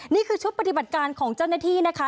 นี่คือชุดปฏิบัติการของเจ้าหน้าที่นะคะ